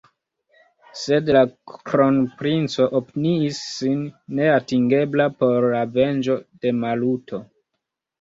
Sed la kronprinco opiniis sin neatingebla por la venĝo de Maluto.